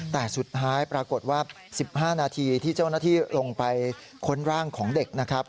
แต่สุดท้ายปรากฏว่า๑๕นาทีที่เจ้าหน้าที่ลงไปค้นร่างของเด็กนะครับ